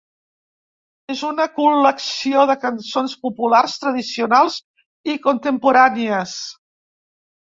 És una col·lecció de cançons populars tradicionals i contemporànies.